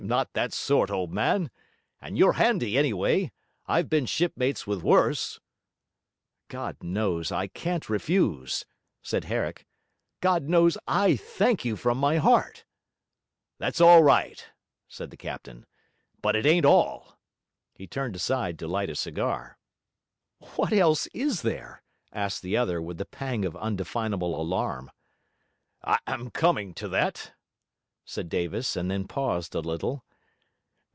I'm not that sort, old man. And you're handy anyway; I've been shipmates with worse.' 'God knows I can't refuse,' said Herrick. 'God knows I thank you from my heart.' 'That's all right,' said the captain. 'But it ain't all.' He turned aside to light a cigar. 'What else is there?' asked the other, with a pang of undefinable alarm. 'I'm coming to that,' said Davis, and then paused a little.